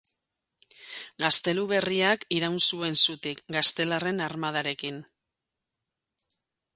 Gaztelu berriak iraun zuen zutik, gaztelarren armadarekin.